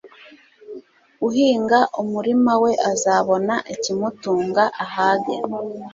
uhinga umurima we azabona ikimutunga ahage